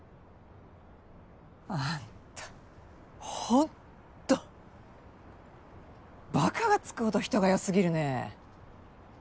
あんたほんとばかがつくほど人が良すぎるね。